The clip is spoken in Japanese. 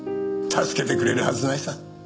助けてくれるはずないさ。